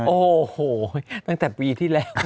โอ้โหตั้งแต่ปีที่แล้ว